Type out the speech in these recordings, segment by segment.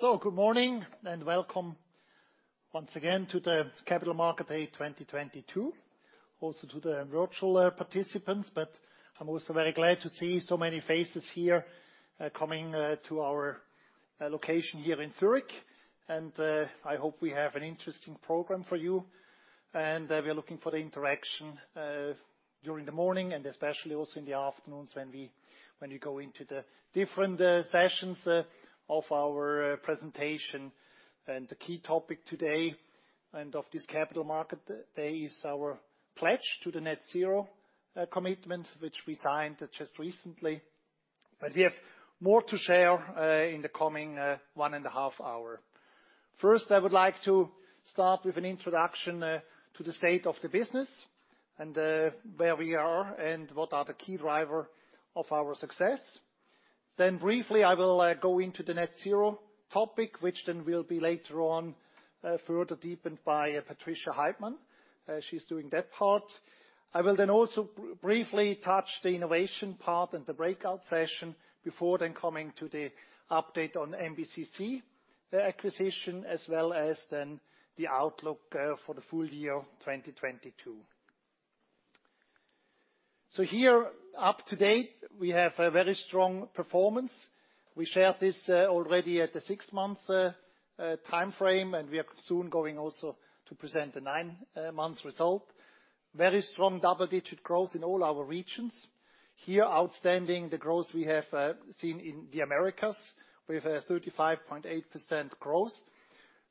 Good morning, and welcome once again to the Capital Market Day 2022. Also to the virtual participants, but I'm also very glad to see so many faces here coming to our location here in Zurich. I hope we have an interesting program for you. We are looking for the interaction during the morning, and especially also in the afternoons when we go into the different sessions of our presentation. The key topic today and of this Capital Market Day is our pledge to the net zero commitment, which we signed just recently. But we have more to share in the coming 1.5 hour. First, I would like to start with an introduction, to the state of the business and where we are and what are the key driver of our success. Then briefly, I will go into the net zero topic, which then will be later on further deepened by Patricia Heitmann. She's doing that part. I will then also briefly touch the innovation part and the breakout session before then coming to the update on MBCC, the acquisition, as well as then the outlook, for the full year 2022. Here up to date, we have a very strong performance. We share this, already at the six month timeframe, and we are soon going also to present the nine months result. Very strong double-digit growth in all our regions. Here, outstanding, the growth we have seen in the Americas. We have 35.8% growth.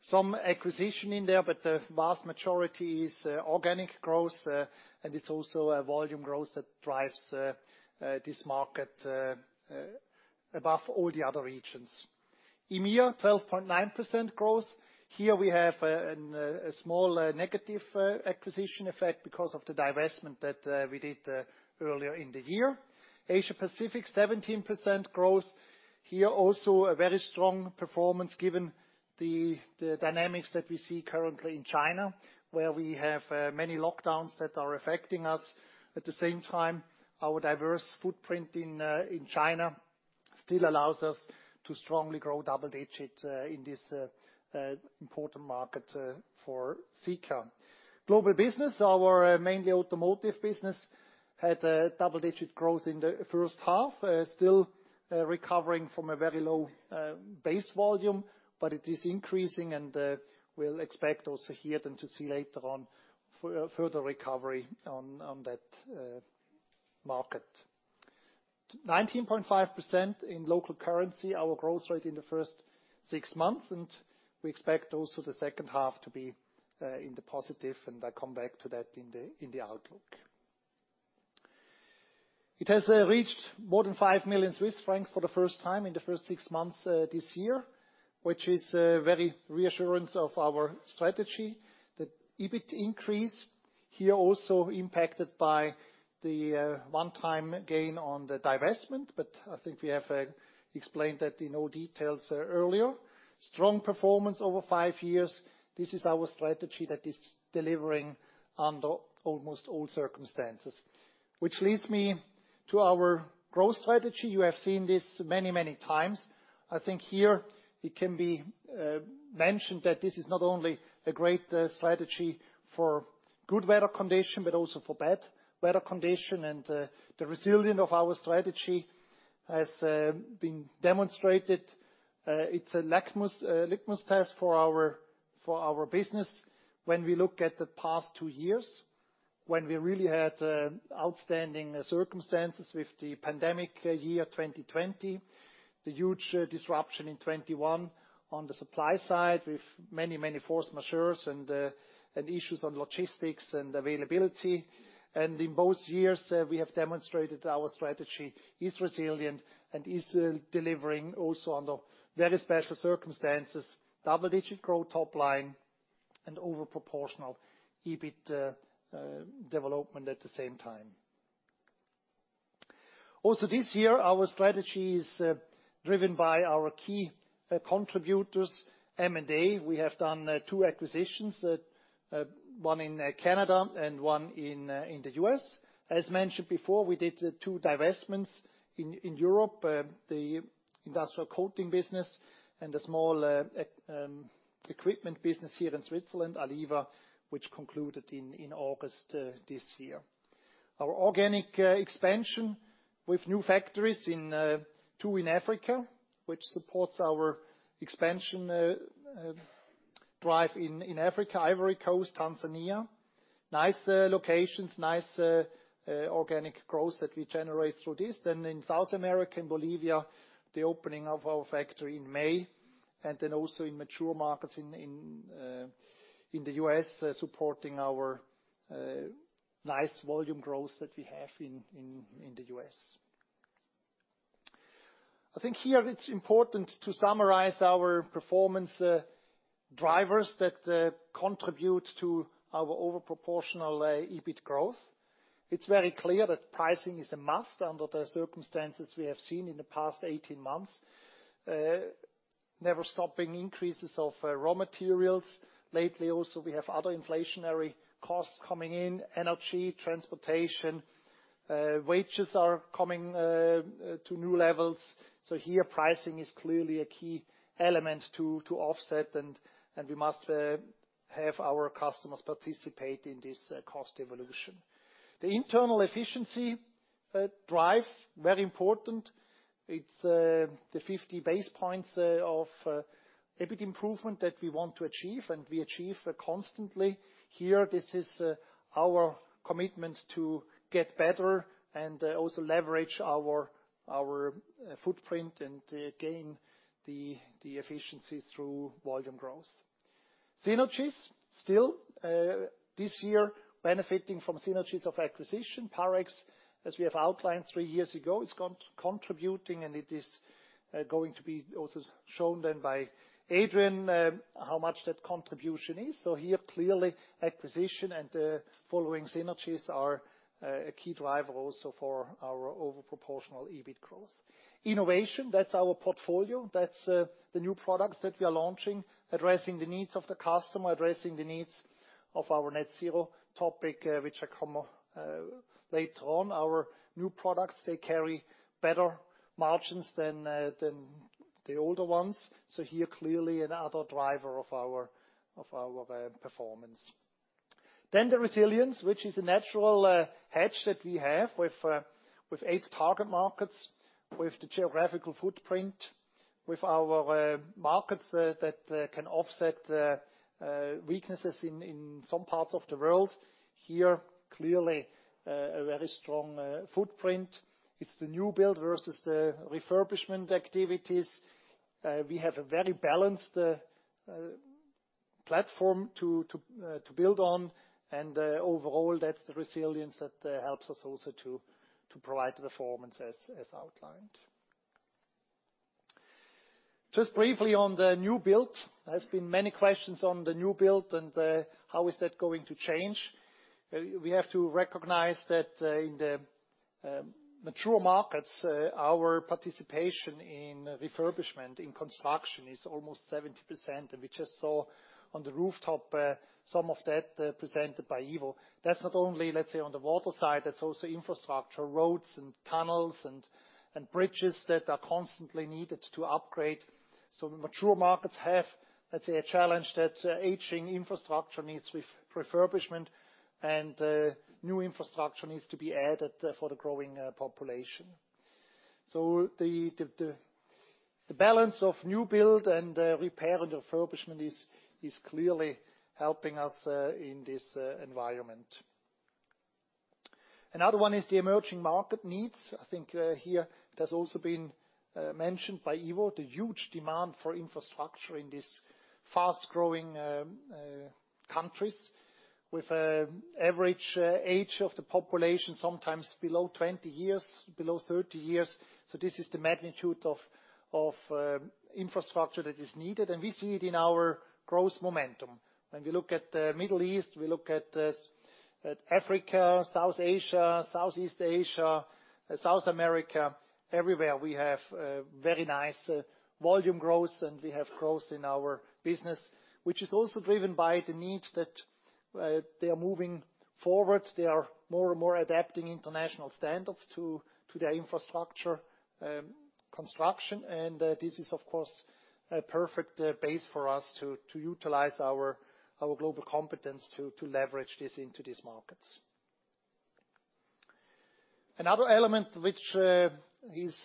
Some acquisition in there, but the vast majority is organic growth, and it's also a volume growth that drives this market above all the other regions. EMEA, 12.9% growth. Here we have a small negative acquisition effect because of the divestment that we did earlier in the year. Asia-Pacific, 17% growth. Here, also a very strong performance given the dynamics that we see currently in China, where we have many lockdowns that are affecting us. At the same time, our diverse footprint in China still allows us to strongly grow double digits in this important market for Sika. Global business, our mainly automotive business, had a double-digit growth in the first half. Still recovering from a very low base volume, but it is increasing and we'll expect also here then to see later on further recovery on that market. 19.5% in local currency, our growth rate in the first six months, and we expect also the second half to be in the positive, and I come back to that in the outlook. It has reached more than 5 million Swiss francs for the first time in the first six months this year, which is very reassuring of our strategy. The EBIT increase here also impacted by the one-time gain on the divestment, but I think we have explained that in all details earlier. Strong performance over five years. This is our strategy that is delivering under almost all circumstances. Which leads me to our growth strategy. You have seen this many, many times. I think here it can be mentioned that this is not only a great strategy for good weather condition, but also for bad weather condition. The resilience of our strategy has been demonstrated. It's a litmus test for our business when we look at the past two years, when we really had outstanding circumstances with the pandemic year 2020. The huge disruption in 2021 on the supply side, with many, many force majeure and issues on logistics and availability. In both years, we have demonstrated our strategy is resilient and is delivering also under very special circumstances, double-digit growth top line, and over proportional EBIT development at the same time. Also this year, our strategy is driven by our key contributors, M&A. We have done two acquisitions. One in Canada and one in the US. As mentioned before, we did two divestments in Europe, the industrial coating business and a small equipment business here in Switzerland, Aliva, which concluded in August this year. Our organic expansion with new factories in two in Africa, which supports our expansion drive in Africa, Ivory Coast, Tanzania. Nice locations, nice organic growth that we generate through this. In South America, in Bolivia, the opening of our factory in May. Also in mature markets in the US, supporting our nice volume growth that we have in the US. I think here it's important to summarize our performance drivers that contribute to our over proportional EBIT growth. It's very clear that pricing is a must under the circumstances we have seen in the past 18 months. Never stopping increases of raw materials. Lately also, we have other inflationary costs coming in, energy, transportation, wages are coming to new levels. Here pricing is clearly a key element to offset and we must have our customers participate in this cost evolution. The internal efficiency drive, very important. It's the 50 basis points of EBIT improvement that we want to achieve and we achieve constantly. Here this is our commitment to get better and also leverage our footprint and to gain the efficiency through volume growth. Synergies. Still, this year benefiting from synergies of acquisition. Parex, as we have outlined three years ago, is contributing and it is going to be also shown then by Adrian, how much that contribution is. Here, clearly acquisition and following synergies are a key driver also for our over proportional EBIT growth. Innovation, that's our portfolio, that's the new products that we are launching, addressing the needs of the customer, addressing the needs of our net zero topic, which I come later on. Our new products, they carry better margins than the older ones. Here, clearly another driver of our performance. The resilience, which is a natural hedge that we have with eight target markets, with the geographical footprint, with our markets that can offset weaknesses in some parts of the world. Here, clearly, a very strong footprint. It's the new build versus the refurbishment activities. We have a very balanced platform to build on, and overall, that's the resilience that helps us also to provide the performance as outlined. Just briefly on the new build. There's been many questions on the new build and how is that going to change. We have to recognize that, in the mature markets, our participation in refurbishment, in construction is almost 70%, and we just saw on the rooftop some of that presented by Ivo. That's not only, let's say, on the water side, that's also infrastructure, roads and tunnels and bridges that are constantly needed to upgrade. Mature markets have, let's say, a challenge that aging infrastructure needs refurbishment and new infrastructure needs to be added for the growing population. The balance of new build and repair and refurbishment is clearly helping us in this environment. Another one is the emerging market needs. I think here it has also been mentioned by Ivo, the huge demand for infrastructure in these fast-growing countries with average age of the population sometimes below 20 years, below 30 years. This is the magnitude of infrastructure that is needed, and we see it in our growth momentum. When we look at Middle East, Africa, South Asia, Southeast Asia, South America, everywhere we have very nice volume growth, and we have growth in our business, which is also driven by the need that they are moving forward. They are more and more adapting international standards to their infrastructure construction. This is of course a perfect base for us to utilize our global competence to leverage this into these markets. Another element which is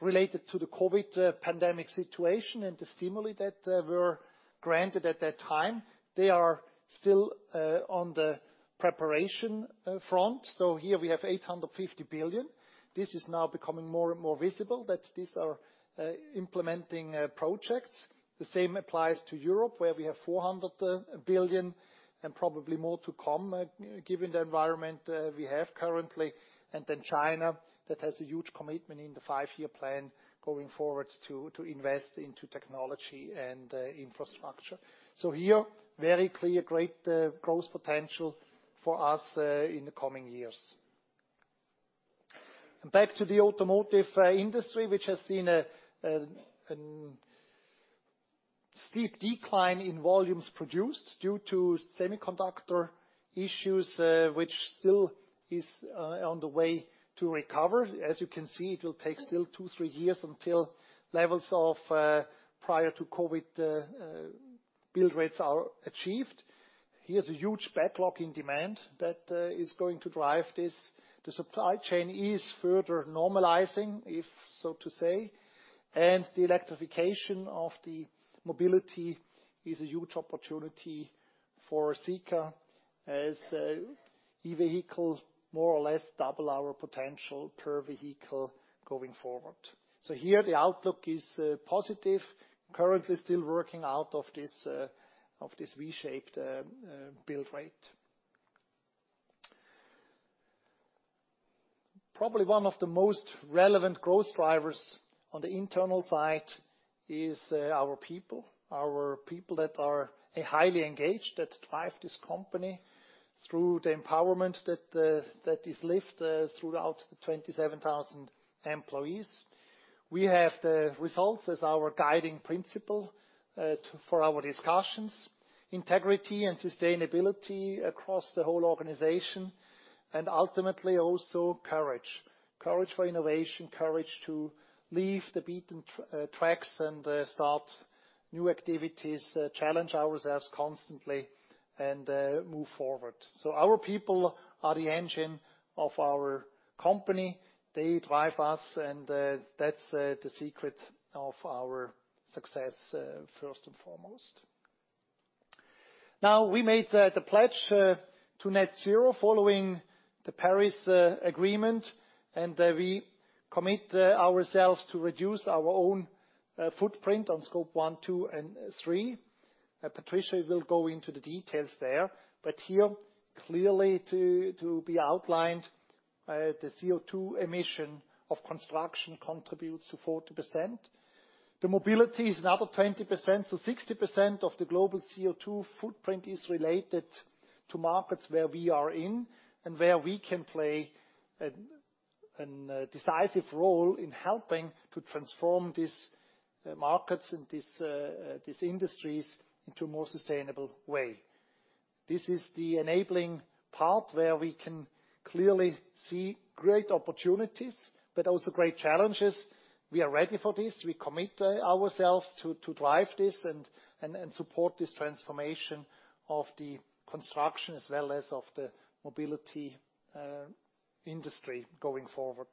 related to the COVID pandemic situation and the stimuli that were granted at that time, they are still on the preparation front. Here we have 850 billion. This is now becoming more and more visible that these are implementing projects. The same applies to Europe, where we have 400 billion and probably more to come, given the environment we have currently. China that has a huge commitment in the five-year plan going forward to invest into technology and infrastructure. Here, very clear, great growth potential for us in the coming years. Back to the automotive industry, which has seen a steep decline in volumes produced due to semiconductor issues, which still is on the way to recover. As you can see, it will take still 2-3 years until levels of prior to COVID build rates are achieved. Here's a huge backlog in demand that is going to drive this. The supply chain is further normalizing, if so to say, and the electrification of the mobility is a huge opportunity for Sika as EV more or less double our potential per vehicle going forward. Here the outlook is positive. Currently still working out of this V-shaped build rate. Probably one of the most relevant growth drivers on the internal side is our people that are highly engaged that drive this company through the empowerment that is lived throughout the 27,000 employees. We have the results as our guiding principle for our discussions. Integrity and sustainability across the whole organization, and ultimately also courage. Courage for innovation, courage to leave the beaten tracks and start new activities, challenge ourselves constantly and move forward. Our people are the engine of our company. They drive us, and that's the secret of our success, first and foremost. Now, we made the pledge to net zero following the Paris Agreement, and we commit ourselves to reduce our own footprint on Scope 1, 2, and 3. Patricia will go into the details there. Here, clearly to be outlined, the CO2 emission of construction contributes to 40%. The mobility is another 20%, so 60% of the global CO2 footprint is related to markets where we are in, and where we can play a decisive role in helping to transform these markets and these industries into a more sustainable way. This is the enabling part where we can clearly see great opportunities, but also great challenges. We are ready for this. We commit ourselves to drive this, and support this transformation of the construction as well as of the mobility industry going forward.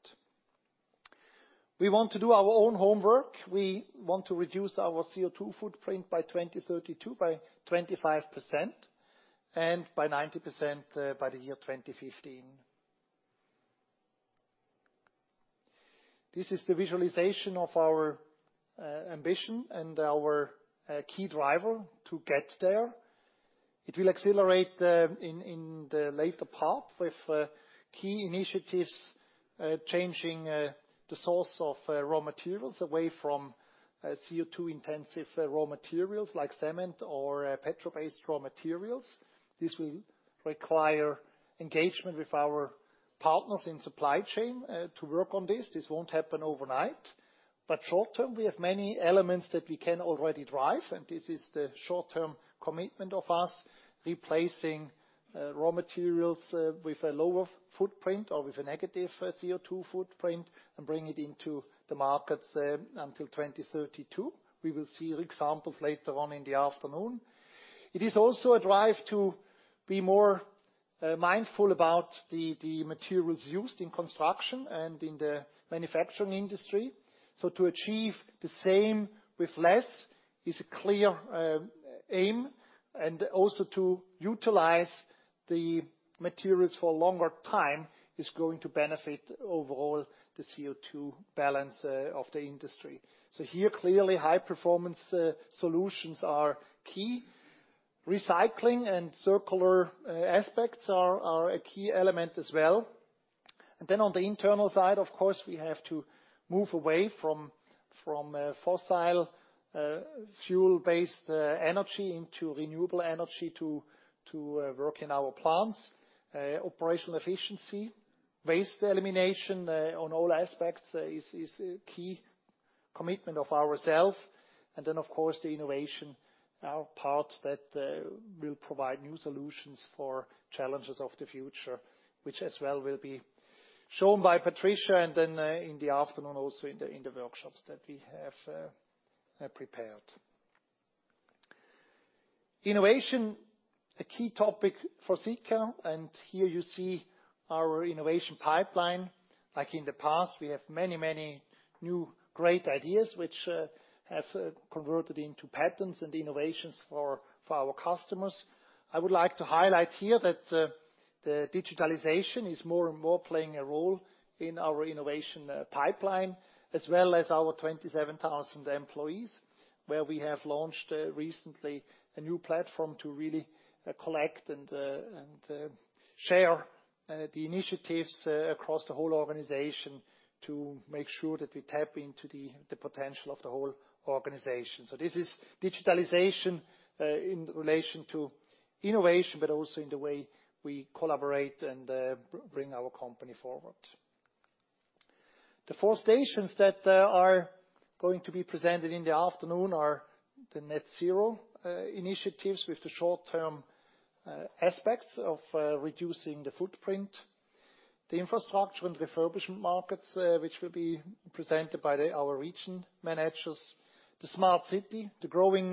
We want to do our own homework. We want to reduce our CO2 footprint by 2032 by 25%, and by 90% by the year 2015. This is the visualization of our ambition and our key driver to get there. It will accelerate in the later part with key initiatives changing the source of raw materials away from CO2-intensive raw materials like cement or petrol-based raw materials. This will require engagement with our partners in supply chain to work on this. This won't happen overnight. Short-term, we have many elements that we can already drive, and this is the short-term commitment of us replacing raw materials with a lower footprint or with a negative CO2 footprint and bring it into the markets until 2032. We will see examples later on in the afternoon. It is also a drive to be more mindful about the materials used in construction and in the manufacturing industry. To achieve the same with less is a clear aim, and also to utilize the materials for a longer time is going to benefit overall the CO2 balance of the industry. Here, clearly high-performance solutions are key. Recycling and circular aspects are a key element as well. On the internal side, of course, we have to move away from fossil fuel-based energy into renewable energy to work in our plants. Operational efficiency, waste elimination on all aspects is a key commitment of ourselves. Of course, the innovation, our part that will provide new solutions for challenges of the future, which as well will be shown by Patricia and then in the afternoon also in the workshops that we have prepared. Innovation, a key topic for Sika, and here you see our innovation pipeline. Like in the past, we have many, many new great ideas which have converted into patents and innovations for our customers. I would like to highlight here that the digitalization is more and more playing a role in our innovation pipeline as well as our 27,000 employees, where we have launched recently a new platform to really collect and share the initiatives across the whole organization to make sure that we tap into the potential of the whole organization. This is digitalization in relation to innovation, but also in the way we collaborate and bring our company forward. The four stations that are going to be presented in the afternoon are the net zero initiatives with the short-term aspects of reducing the footprint. The infrastructure and refurbishment markets, which will be presented by our region managers. The smart city, the growing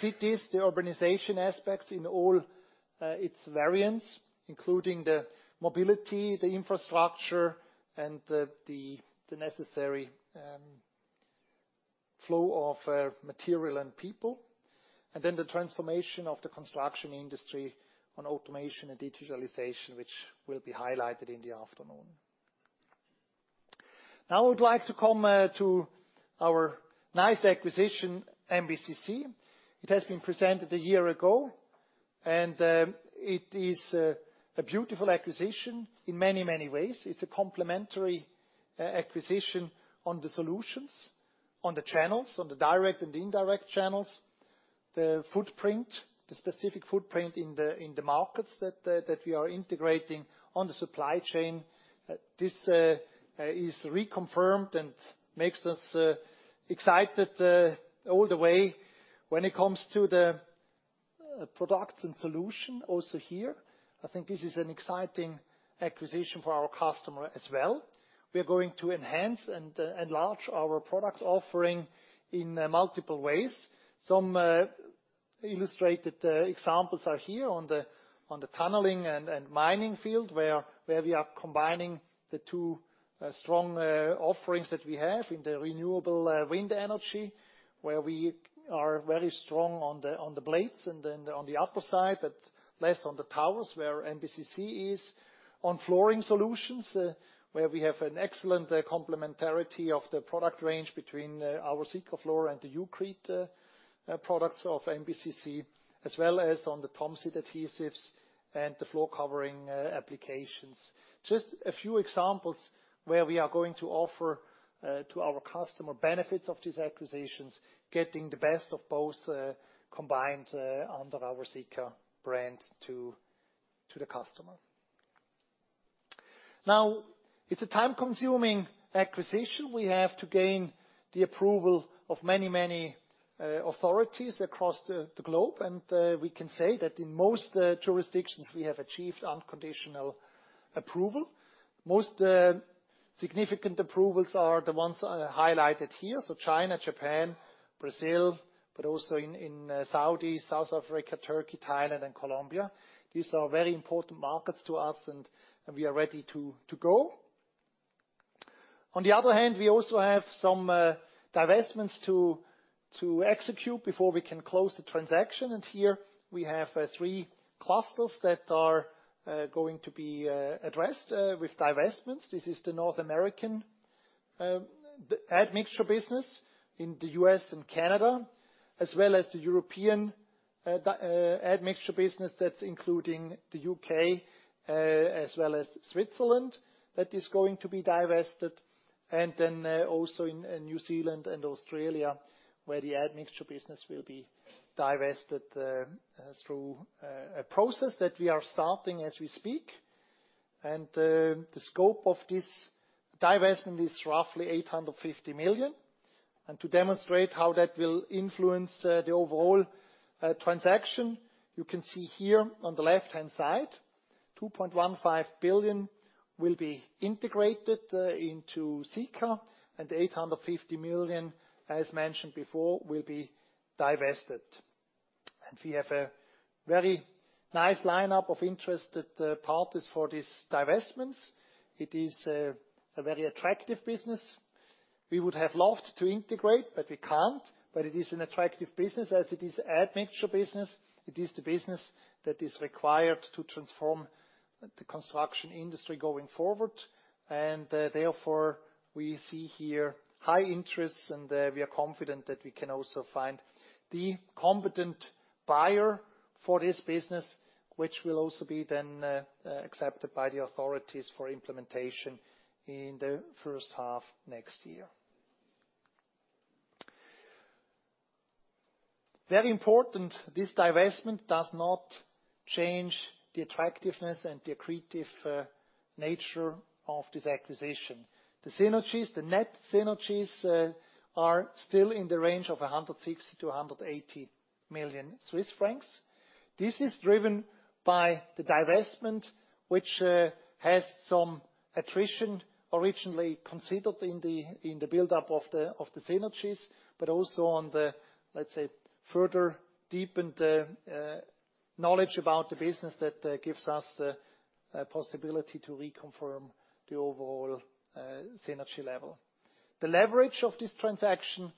cities, the urbanization aspects in all its variants, including the mobility, the infrastructure, and the necessary flow of material and people. The transformation of the construction industry on automation and digitalization, which will be highlighted in the afternoon. Now I would like to come to our nice acquisition, MBCC. It has been presented a year ago, and it is a beautiful acquisition in many, many ways. It's a complementary acquisition on the solutions. On the channels, on the direct and indirect channels. The footprint, the specific footprint in the markets that we are integrating on the supply chain. This is reconfirmed and makes us excited all the way. When it comes to the products and solution, also here, I think this is an exciting acquisition for our customer as well. We are going to enhance and launch our product offering in multiple ways. Some illustrated examples are here on the tunneling and mining field, where we are combining the two strong offerings that we have in the renewable wind energy, where we are very strong on the blades and then on the upper side, but less on the towers where MBCC is. On flooring solutions, where we have an excellent complementarity of the product range between our Sikafloor and the Ucrete products of MBCC, as well as on the Thomsit adhesives and the floor covering applications. Just a few examples where we are going to offer to our customer benefits of these acquisitions, getting the best of both combined under our Sika brand to the customer. Now, it's a time-consuming acquisition. We have to gain the approval of many authorities across the globe, and we can say that in most jurisdictions, we have achieved unconditional approval. Most significant approvals are the ones highlighted here. China, Japan, Brazil, but also in Saudi, South Africa, Turkey, Thailand, and Colombia. These are very important markets to us and we are ready to go. On the other hand, we also have some divestments to execute before we can close the transaction. Here we have three clusters that are going to be addressed with divestments. This is the North American admixture business in the U.S. and Canada, as well as the European admixture business that's including the U.K., as well as Switzerland that is going to be divested. Then, also in New Zealand and Australia, where the admixture business will be divested through a process that we are starting as we speak. The scope of this divestment is roughly 850 million. To demonstrate how that will influence the overall transaction, you can see here on the left-hand side, 2.15 billion will be integrated into Sika and 850 million, as mentioned before, will be divested. We have a very nice lineup of interested parties for these divestments. It is a very attractive business. We would have loved to integrate, but we can't. It is an attractive business as it is admixture business. It is the business that is required to transform the construction industry going forward. Therefore, we see here high interest, and we are confident that we can also find the competent buyer for this business, which will also be then accepted by the authorities for implementation in the first half next year. Very important, this divestment does not change the attractiveness and the accretive nature of this acquisition. The synergies, the net synergies, are still in the range of 160 million-180 million Swiss francs. This is driven by the divestment, which has some attrition originally considered in the buildup of the synergies, but also on the, let's say, further deepened knowledge about the business that gives us a possibility to reconfirm the overall synergy level. The leverage of this transaction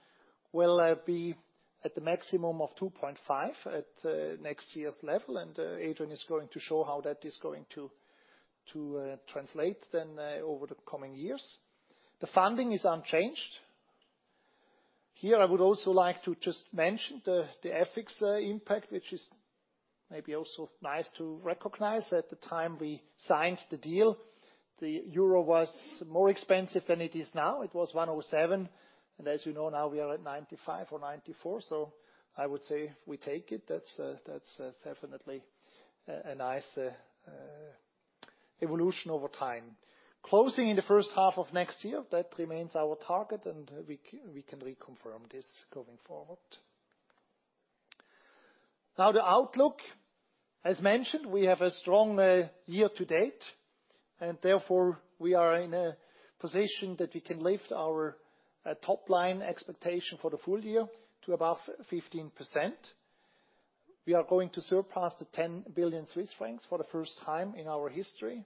will be at the maximum of 2.5 at next year's level, and Adrian is going to show how that is going to translate then over the coming years. The funding is unchanged. Here, I would also like to just mention the FX impact, which is maybe also nice to recognize. At the time we signed the deal, the euro was more expensive than it is now. It was 107. As you know, now we are at 95 or 94. I would say we take it. That's definitely a nice evolution over time. Closing in the first half of next year, that remains our target, and we can reconfirm this going forward. Now the outlook. As mentioned, we have a strong year-to-date, and therefore, we are in a position that we can lift our top-line expectation for the full year to above 15%. We are going to surpass 10 billion Swiss francs for the first time in our history.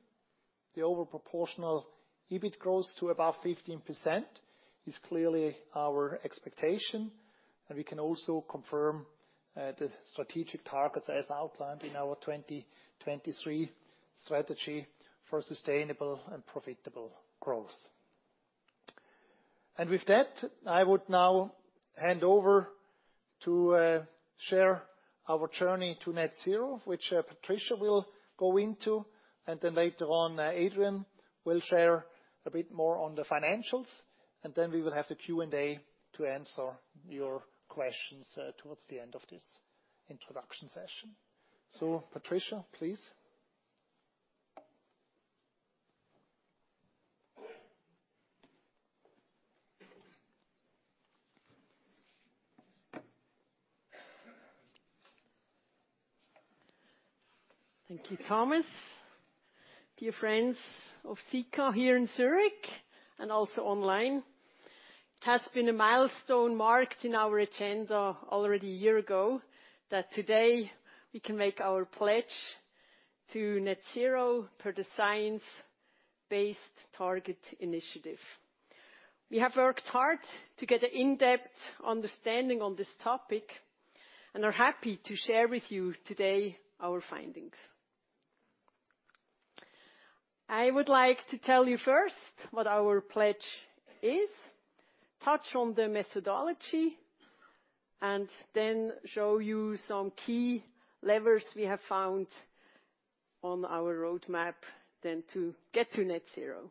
The over proportional EBIT growth to above 15% is clearly our expectation, and we can also confirm the strategic targets as outlined in our 2023 strategy for sustainable and profitable growth. With that, I would now hand over to share our journey to net zero, which Patricia will go into, and then later on, Adrian will share a bit more on the financials. We will have the Q&A to answer your questions toward the end of this introduction session. Patricia, please. Thank you, Thomas. Dear friends of Sika here in Zurich and also online. It has been a milestone marked in our agenda already a year ago, that today we can make our pledge to net zero per the Science Based Targets initiative. We have worked hard to get an in-depth understanding on this topic, and are happy to share with you today our findings. I would like to tell you first what our pledge is, touch on the methodology, and then show you some key levers we have found on our roadmap then to get to net zero.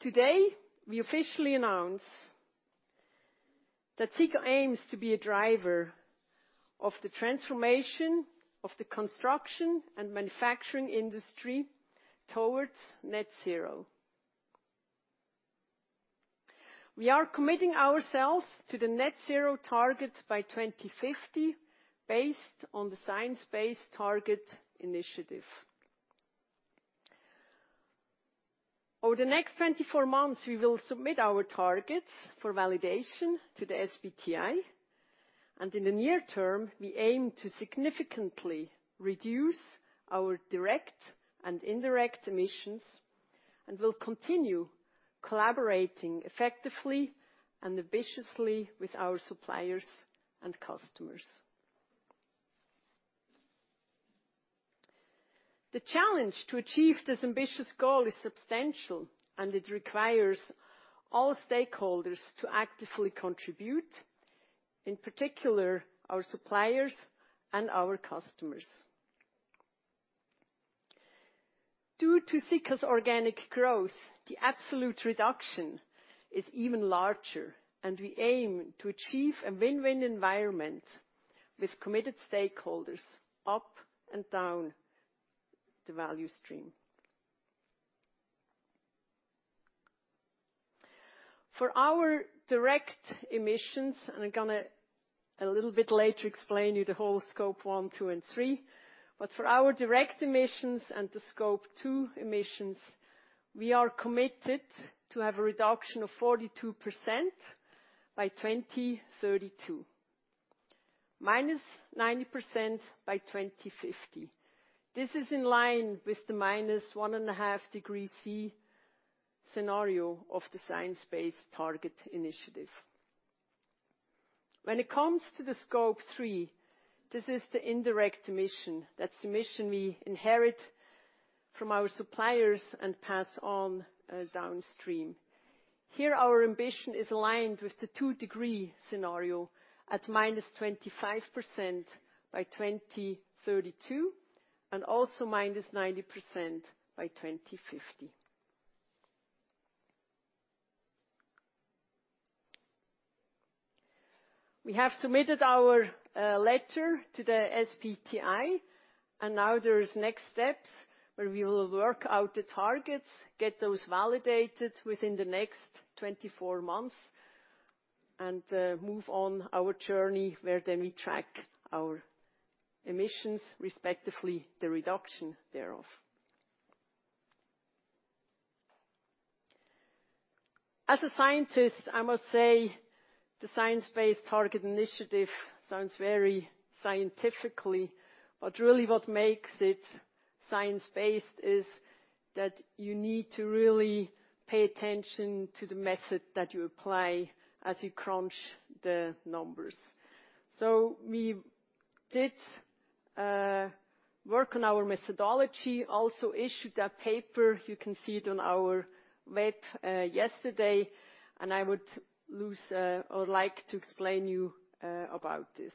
Today, we officially announce that Sika aims to be a driver of the transformation of the construction and manufacturing industry towards net zero. We are committing ourselves to the net zero target by 2050 based on the Science Based Targets initiative. Over the next 24 months, we will submit our targets for validation to the SBTi, and in the near term, we aim to significantly reduce our direct and indirect emissions, and will continue collaborating effectively and ambitiously with our suppliers and customers. The challenge to achieve this ambitious goal is substantial, and it requires all stakeholders to actively contribute, in particular, our suppliers and our customers. Due to Sika's organic growth, the absolute reduction is even larger, and we aim to achieve a win-win environment with committed stakeholders up and down the value stream. For our direct emissions, and I'm gonna a little bit later explain to you the whole Scope 1, 2, and 3. For our direct emissions and the Scope 2 emissions, we are committed to have a reduction of 42% by 2032, -90% by 2050. This is in line with the minus 1.5 degrees Celsius scenario of the Science Based Targets initiative. When it comes to the Scope 3, this is the indirect emission. That's emission we inherit from our suppliers and pass on downstream. Here, our ambition is aligned with the 2-degree scenario at -25% by 2032 and also -90% by 2050. We have submitted our letter to the SBTi, and now there's next steps where we will work out the targets, get those validated within the next 24 months, and move on our journey where then we track our emissions, respectively, the reduction thereof. As a scientist, I must say the Science Based Targets initiative sounds very scientifically, but really what makes it science-based is that you need to really pay attention to the method that you apply as you crunch the numbers. We did work on our methodology, also issued a paper. You can see it on our website yesterday, and I would like to explain to you about this.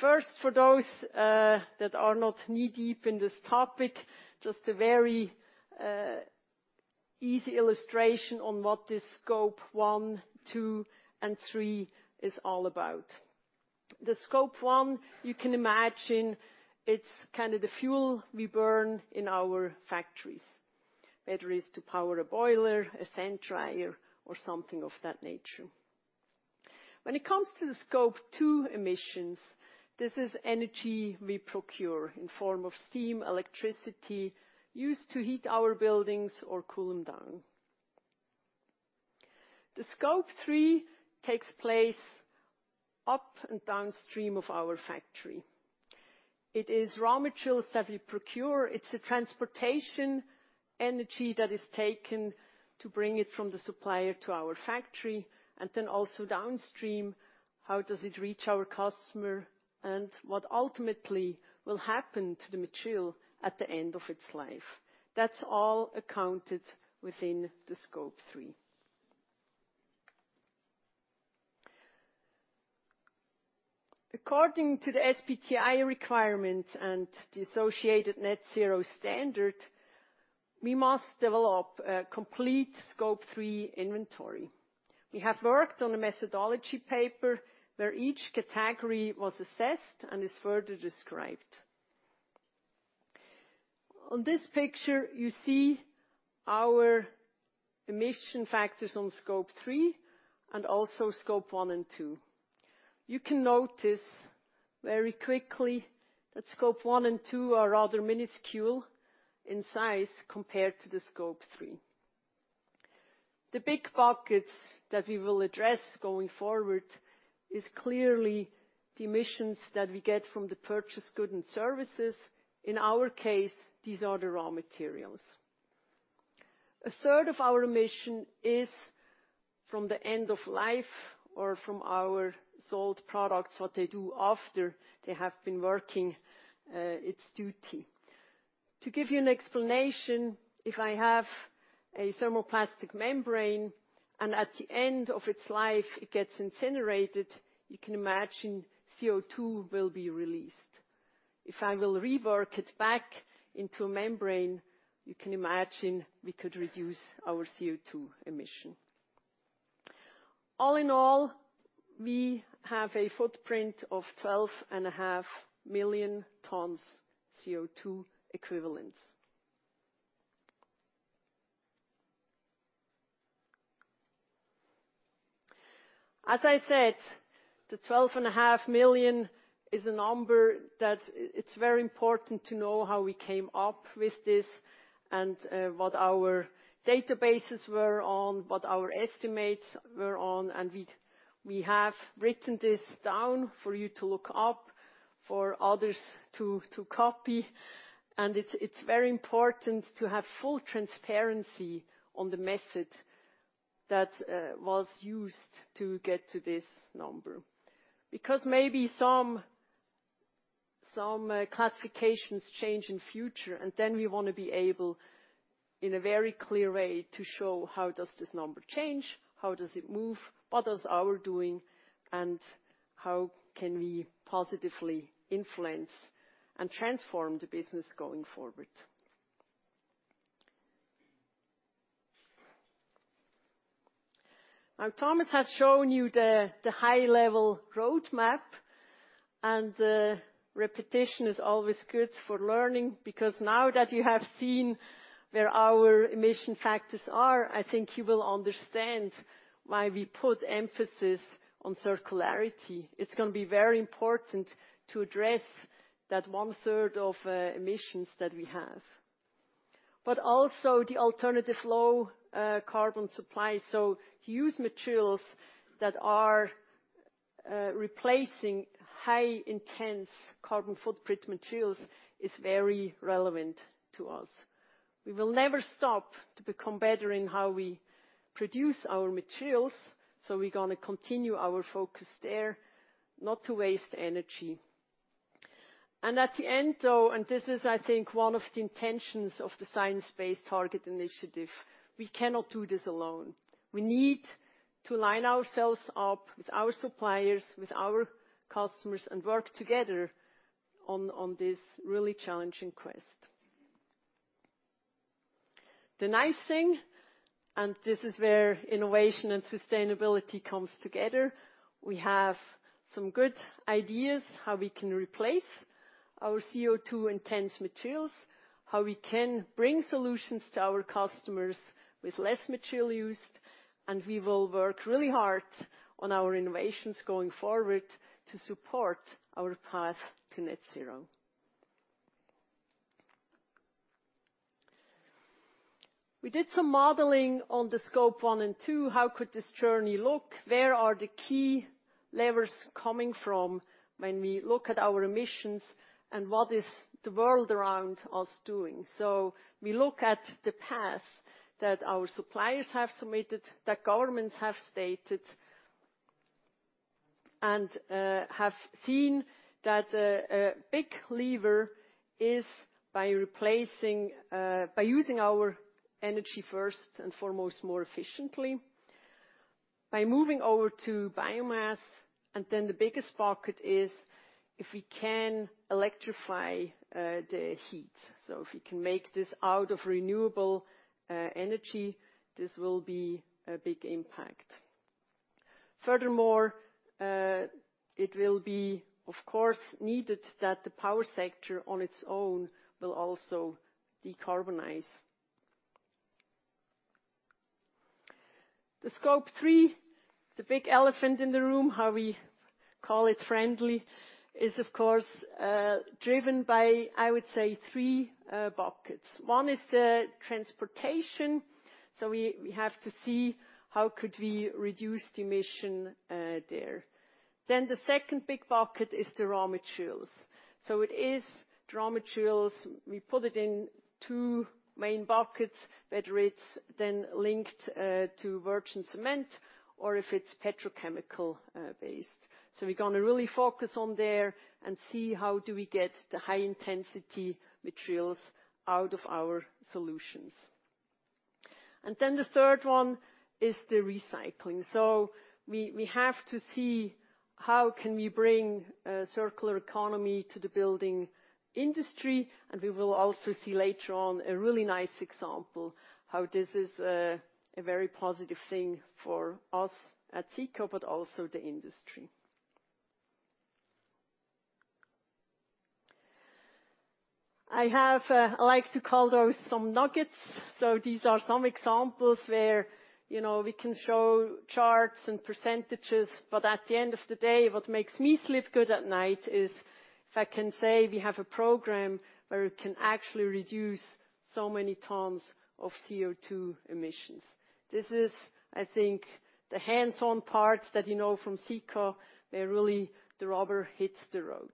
First, for those that are not knee-deep in this topic, just a very easy illustration on what this Scope 1, 2, and 3 is all about. Scope 1, you can imagine it's kind of the fuel we burn in our factories, whether it's to power a boiler, a sand dryer or something of that nature. When it comes to the Scope 2 emissions, this is energy we procure in the form of steam, electricity used to heat our buildings or cool them down. The Scope 3 takes place up and downstream of our factory. It is raw materials that we procure. It's the transportation energy that is taken to bring it from the supplier to our factory, and then also downstream, how does it reach our customer and what ultimately will happen to the material at the end of its life. That's all accounted within the Scope 3. According to the SBTi requirement and the associated Net-Zero Standard, we must develop a complete Scope 3 inventory. We have worked on a methodology paper where each category was assessed and is further described. On this picture, you see our emission factors on Scope 3 and also Scope 1 and 2. You can notice very quickly that Scope 1 and 2 are rather minuscule in size compared to the Scope 3. The big buckets that we will address going forward is clearly the emissions that we get from the purchased goods and services. In our case, these are the raw materials. A third of our emission is from the end of life or from our sold products, what they do after they have been working its duty. To give you an explanation, if I have a thermoplastic membrane, and at the end of its life it gets incinerated, you can imagine CO2 will be released. If I will rework it back into a membrane, you can imagine we could reduce our CO2 emission. All in all, we have a footprint of 12.5 million tons CO2 equivalents. As I said, the 12.5 million is a number that it's very important to know how we came up with this and, what our databases were on, what our estimates were on. We have written this down for you to look up, for others to copy. It's very important to have full transparency on the method that was used to get to this number. Because maybe some classifications change in future, and then we wanna be able, in a very clear way, to show how does this number change, how does it move, what is our doing, and how can we positively influence and transform the business going forward. Now, Thomas has shown you the high-level roadmap, and repetition is always good for learning because now that you have seen where our emission factors are, I think you will understand why we put emphasis on circularity. It's gonna be very important to address that one-third of emissions that we have. But also the alternative low carbon supply, so used materials that are replacing high intense carbon footprint materials is very relevant to us. We will never stop to become better in how we produce our materials, so we're gonna continue our focus there not to waste energy. At the end, though, and this is, I think, one of the intentions of the Science Based Targets initiative, we cannot do this alone. We need to line ourselves up with our suppliers, with our customers, and work together on this really challenging quest. The nice thing, and this is where innovation and sustainability comes together, we have some good ideas how we can replace our CO2-intense materials, how we can bring solutions to our customers with less material used, and we will work really hard on our innovations going forward to support our path to net zero. We did some modeling on the Scope 1 and 2. How could this journey look? Where are the key levers coming from when we look at our emissions and what is the world around us doing? We look at the path that our suppliers have submitted, that governments have stated, and have seen that a big lever is by using our energy first and foremost more efficiently, by moving over to biomass. Then the biggest bucket is if we can electrify the heat. If we can make this out of renewable energy, this will be a big impact. Furthermore, it will be, of course, needed that the power sector on its own will also decarbonize. The Scope 3, the big elephant in the room, how we call it friendly, is of course, driven by, I would say, three buckets. One is the transportation, so we have to see how could we reduce the emission there. The second big bucket is the raw materials. So it is the raw materials. We put it in two main buckets, whether it's then linked to virgin cement or if it's petrochemical based. So we're gonna really focus on there and see how do we get the high-intensity materials out of our solutions. The third one is the recycling. We have to see how we can bring circular economy to the building industry, and we will also see later on a really nice example how this is a very positive thing for us at Sika, but also the industry. I like to call those some nuggets. These are some examples where, you know, we can show charts and percentages, but at the end of the day, what makes me sleep good at night is if I can say we have a program where we can actually reduce so many tons of CO2 emissions. This is, I think, the hands-on parts that you know from Sika, where really the rubber hits the road.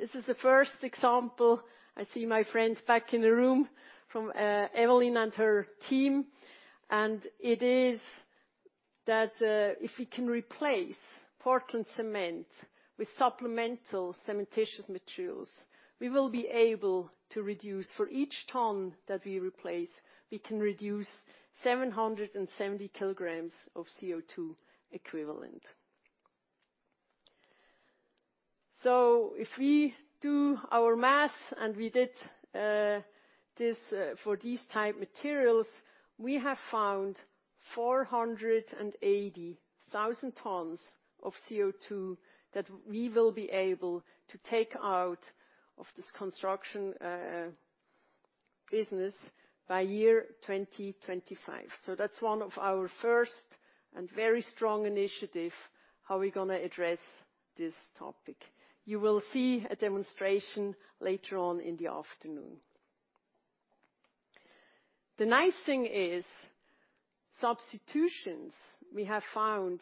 This is the first example. I see my friends back in the room from Evelyn and her team. If we can replace Portland cement with supplementary cementitious materials, we will be able to reduce. For each ton that we replace, we can reduce 770 kg of CO2 equivalent. If we do our math, and we did this for these type materials, we have found 480,000 tons of CO2 that we will be able to take out of this construction business by 2025. That's one of our first and very strong initiative, how we're gonna address this topic. You will see a demonstration later on in the afternoon. The nice thing ig, substitutions we have found.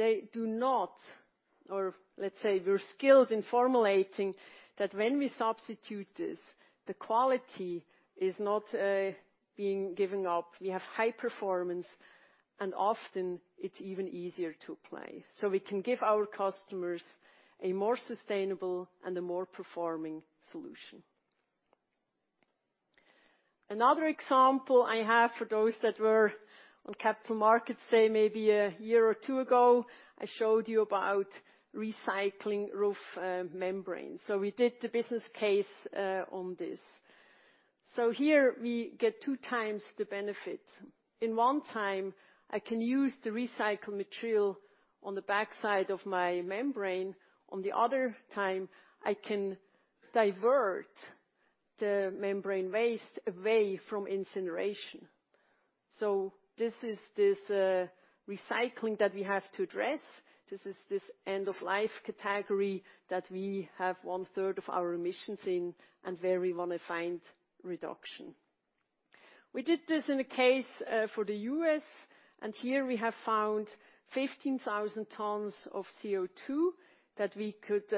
Or let's say we're skilled in formulating that when we substitute this, the quality is not being given up. We have high performance, and often it's even easier to apply. We can give our customers a more sustainable and a more performing solution. Another example I have for those that were on capital markets day maybe a year or two ago, I showed you about recycling roof membrane. We did the business case on this. Here we get two times the benefit. In one time, I can use the recycled material on the backside of my membrane. On the other time, I can divert the membrane waste away from incineration. This is this recycling that we have to address. This is this end-of-life category that we have one-third of our emissions in and where we wanna find reduction. We did this in a case for the US, and here we have found 15,000 tons of CO2 that we could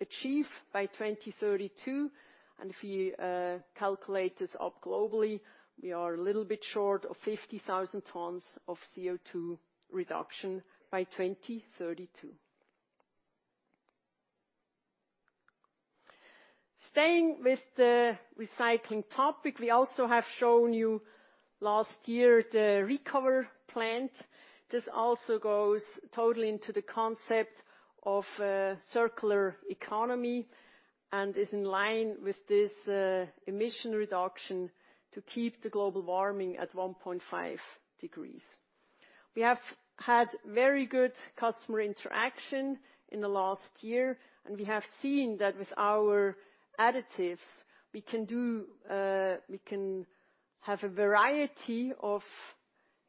achieve by 2032. If you calculate this up globally, we are a little bit short of 50,000 tons of CO2 reduction by 2032. Staying with the recycling topic, we also have shown you last year the reCO2ver plant. This also goes totally into the concept of circular economy and is in line with this emission reduction to keep the global warming at 1.5 degrees. We have had very good customer interaction in the last year, and we have seen that with our additives, we can do we can have a variety of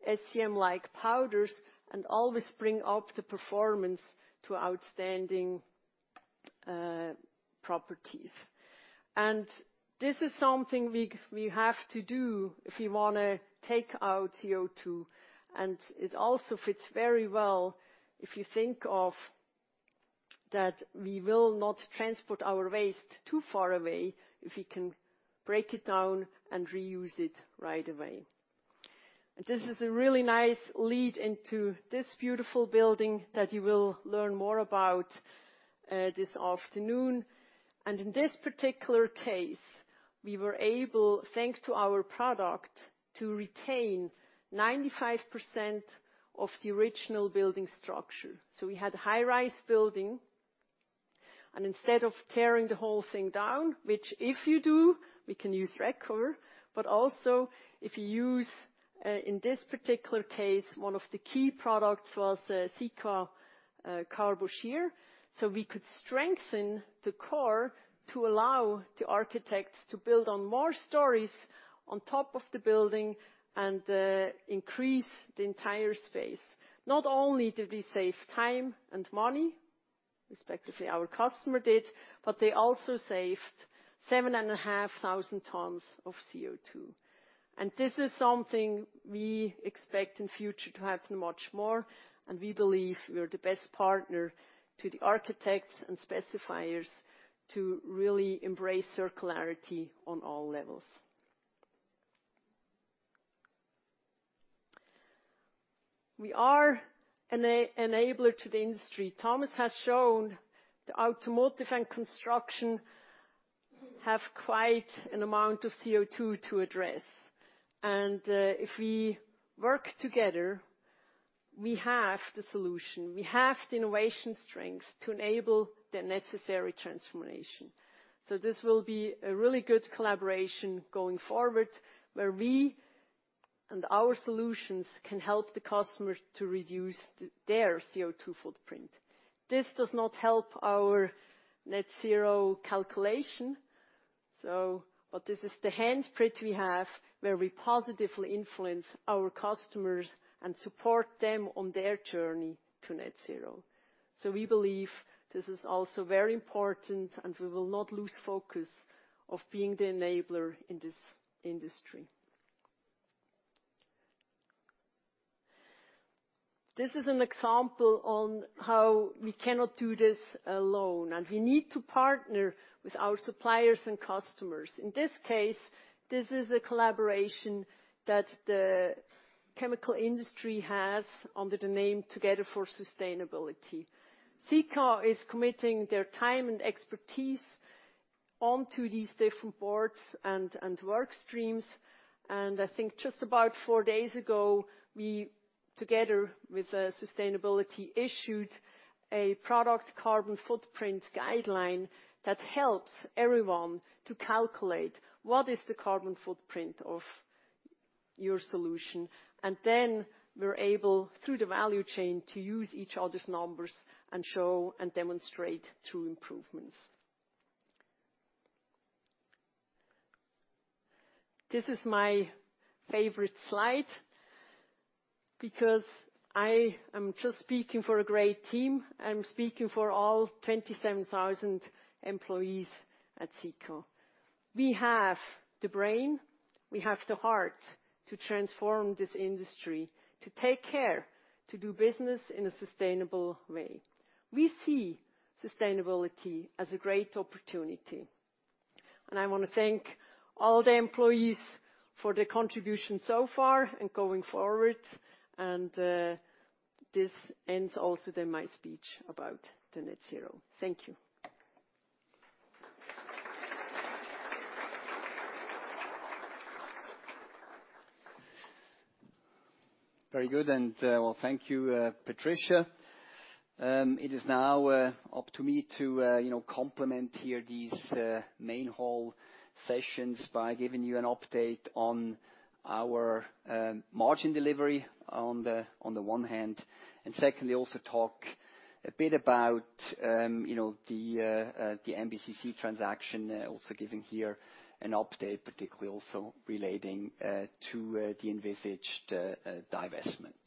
SCM-like powders and always bring up the performance to outstanding properties. This is something we have to do if we wanna take out CO2. It also fits very well if you think of that we will not transport our waste too far away if we can break it down and reuse it right away. This is a really nice lead into this beautiful building that you will learn more about this afternoon. In this particular case, we were able, thanks to our product, to retain 95% of the original building structure. We had a high-rise building, and instead of tearing the whole thing down, which if you do, we can use reCO2ver, but also if you use, in this particular case, one of the key products was Sika CarboDur. We could strengthen the core to allow the architects to build on more stories on top of the building and increase the entire space. Not only did we save time and money, respectively, our customer did, but they also saved 7,500 tons of CO2. This is something we expect in future to happen much more, and we believe we are the best partner to the architects and specifiers to really embrace circularity on all levels. We are an enabler to the industry. Thomas has shown the automotive and construction have quite an amount of CO2 to address. If we work together, we have the solution, we have the innovation strength to enable the necessary transformation. This will be a really good collaboration going forward, where we and our solutions can help the customer to reduce their CO2 footprint. This does not help our net zero calculation. This is the handprint we have where we positively influence our customers and support them on their journey to net zero. We believe this is also very important, and we will not lose focus of being the enabler in this industry. This is an example on how we cannot do this alone, and we need to partner with our suppliers and customers. In this case, this is a collaboration that the chemical industry has under the name Together for Sustainability. Sika is committing their time and expertise onto these different boards and work streams. I think just about four days ago, we together with Sustainability issued a product carbon footprint guideline that helps everyone to calculate what is the carbon footprint of your solution. Then we're able, through the value chain, to use each other's numbers and show and demonstrate true improvements. This is my favorite slide because I am just speaking for a great team. I'm speaking for all 27,000 employees at Sika. We have the brain, we have the heart to transform this industry, to take care, to do business in a sustainable way. We see sustainability as a great opportunity, and I wanna thank all the employees for their contribution so far and going forward. This ends also then my speech about the net zero. Thank you. Very good, well, thank you, Patricia. It is now up to me to, you know, complement here these main hall sessions by giving you an update on our margin delivery on the one hand, and secondly, also talk a bit about, you know, the MBCC transaction, also giving here an update, particularly also relating to the envisaged divestment.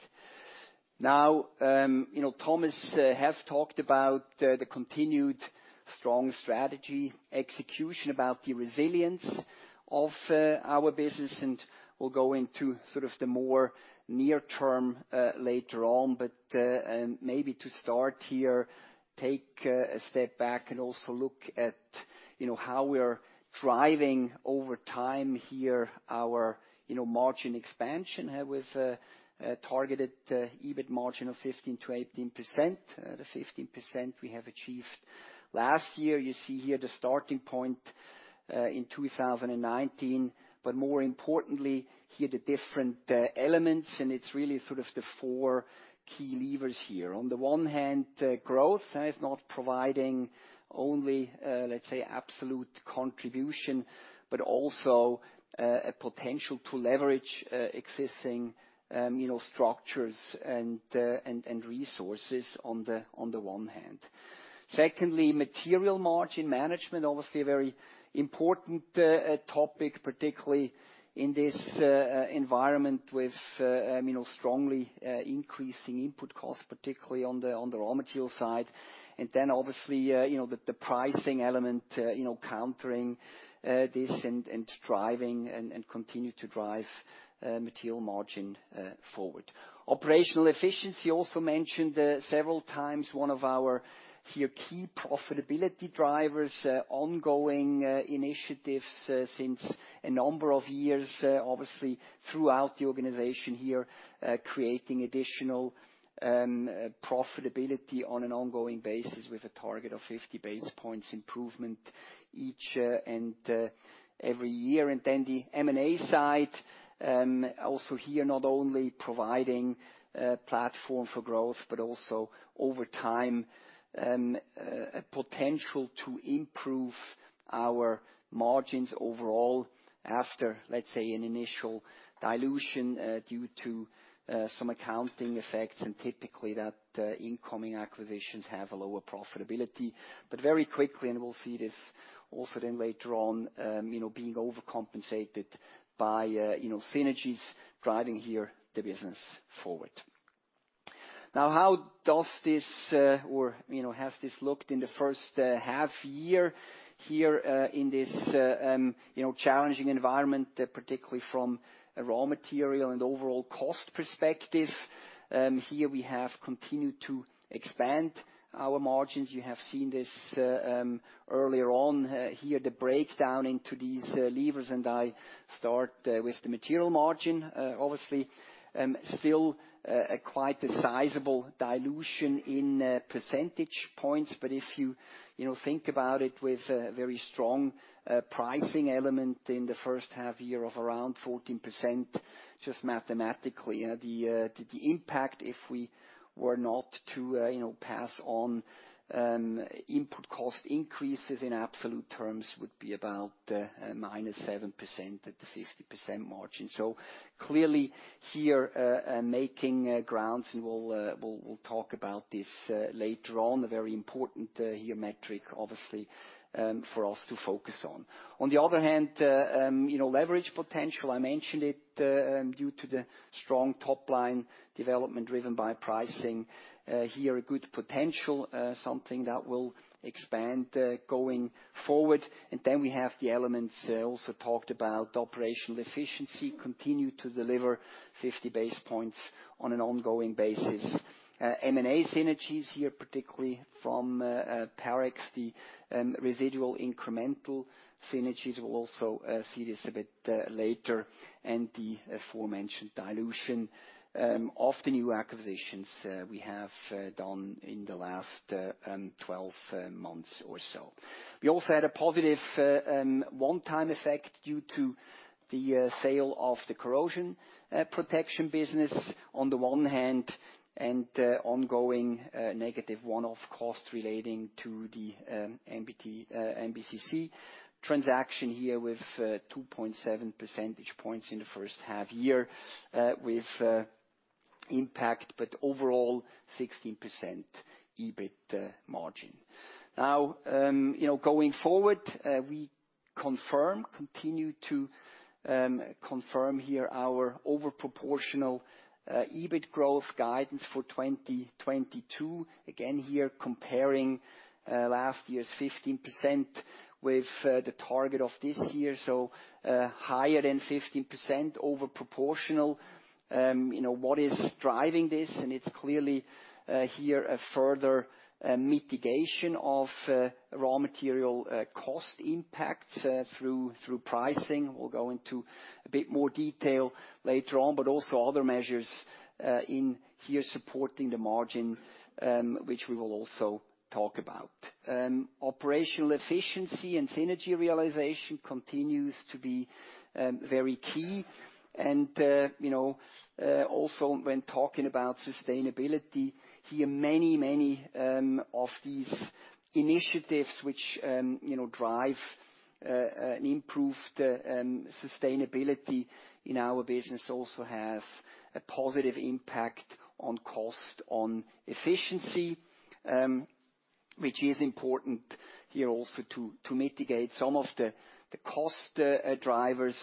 Now, you know, Thomas has talked about the continued strong strategy execution, about the resilience of our business, and we'll go into sort of the more near term later on. Maybe to start here, take a step back and also look at, you know, how we are driving over time here, our, you know, margin expansion, with a targeted EBIT margin of 15%-18%. The 15% we have achieved last year. You see here the starting point in 2019, but more importantly, here, the different elements, and it's really sort of the four key levers here. On the one hand, growth. That is not providing only, let's say, absolute contribution, but also a potential to leverage existing, you know, structures and resources on the one hand. Secondly, material margin management, obviously a very important topic, particularly in this environment with you know, strongly increasing input costs, particularly on the raw material side. Then obviously, you know, the pricing element, you know, countering this and driving and continue to drive material margin forward. Operational efficiency also mentioned several times, one of our here key profitability drivers, ongoing initiatives since a number of years, obviously throughout the organization here, creating additional profitability on an ongoing basis with a target of 50 basis points improvement each and every year. Then the M&A side, also here not only providing a platform for growth, but also over time, a potential to improve our margins overall after, let's say, an initial dilution, due to some accounting effects and typically that incoming acquisitions have a lower profitability. Very quickly, and we'll see this also then later on, you know, being overcompensated by, you know, synergies driving here the business forward. Now, how has this looked in the first half year here, in this, you know, challenging environment, particularly from a raw material and overall cost perspective? Here we have continued to expand our margins. You have seen this, earlier on, here, the breakdown into these, levers, and I start, with the material margin. Obviously, still quite a sizable dilution in percentage points. But if you know, think about it with a very strong pricing element in the first half year of around 14%. Just mathematically, the impact if we were not to you know, pass on input cost increases in absolute terms would be about minus 7% at the 50% margin. So clearly here, making grounds, and we'll talk about this later on, a very important here metric, obviously for us to focus on. On the other hand, you know, leverage potential, I mentioned it, due to the strong top-line development driven by pricing. Here, a good potential, something that will expand going forward. We have the elements I also talked about, operational efficiency continue to deliver 50 basis points on an ongoing basis. M&A synergies here, particularly from Parex, the residual incremental synergies. We'll also see this a bit later, and the aforementioned dilution of the new acquisitions we have done in the last 12 months or so. We also had a positive one-time effect due to the sale of the corrosion protection business on the one hand, and ongoing negative one-off costs relating to the MBCC transaction here with 2.7 percentage points in the first half year with impact, but overall 16% EBIT margin. Now, you know, going forward, we continue to confirm here our overproportional EBIT growth guidance for 2022. Again, here comparing last year's 15% with the target of this year, so higher than 15% overproportional. You know, what is driving this? It's clearly here a further mitigation of raw material cost impacts through pricing. We'll go into a bit more detail later on, but also other measures in here supporting the margin, which we will also talk about. Operational efficiency and synergy realization continues to be very key. You know, also when talking about sustainability, here many of these initiatives which, you know, drive an improved sustainability in our business also has a positive impact on cost, on efficiency, which is important here also to mitigate some of the cost drivers.